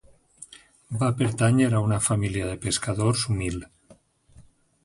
Va pertànyer a una família de pescadors humil.